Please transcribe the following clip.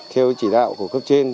theo chỉ đạo của cấp trên